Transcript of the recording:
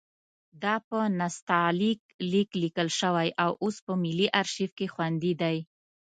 دا په نستعلیق لیک لیکل شوی اوس په ملي ارشیف کې خوندي دی.